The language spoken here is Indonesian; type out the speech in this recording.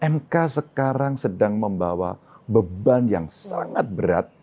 mk sekarang sedang membawa beban yang sangat berat